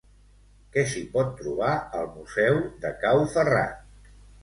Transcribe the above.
Què s'hi pot trobar al Museu de Cau Ferrat?